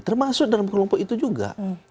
termasuk dalam kelompok itu juga